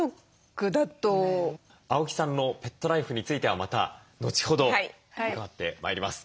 青木さんのペットライフについてはまた後ほど伺ってまいります。